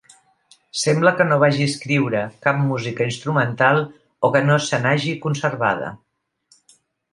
Sembla que no vagi escriure cap música instrumental, o que no se n'hagi conservada.